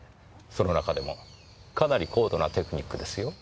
その中でもかなり高度なテクニックですよ。